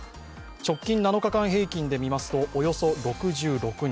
直近７日間平均でみますとおよそ６６人。